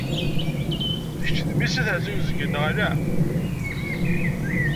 Kečč d mmi-s n At Ɛisa Uzgan, neɣ ala?